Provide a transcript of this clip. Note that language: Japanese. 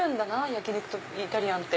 焼き肉とイタリアンって。